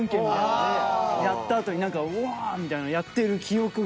やったあとに何か「うわぁ！」みたいなのやってる記憶が。